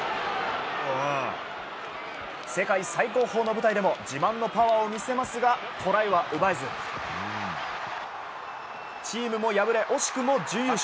世界最高峰の舞台でも自慢のパワーを見せますがトライは奪えずチームも敗れ惜しくも準優勝。